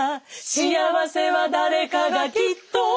「幸福は誰かがきっと」